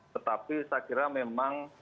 tetapi saya kira memang